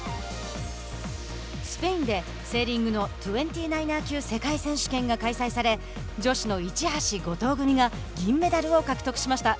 スペインでセーリングの２９ｅｒ級世界選手権が開催され女子の市橋・後藤組が銀メダルを獲得しました。